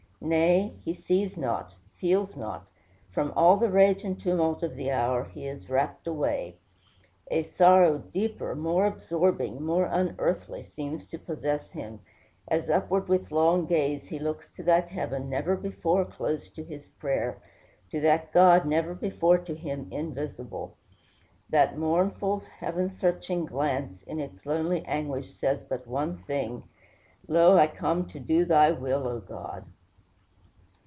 Nay, he sees not, feels not: from all the rage and tumult of the hour he is rapt away. A sorrow deeper, more absorbing, more unearthly seems to possess him, as upward with long gaze he looks to that heaven never before closed to his prayer, to that God never before to him invisible. That mournful, heaven searching glance, in its lonely anguish, says but one thing: "Lo, I come to do thy will, O God."